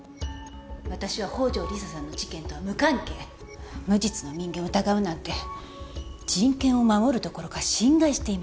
「私は宝城理沙さんの事件とは無関係」無実の人間を疑うなんて人権を守るどころか侵害しています。